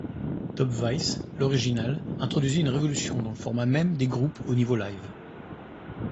Top-Vice, l’original, introduisit une révolution dans le format même des groupes au niveau live.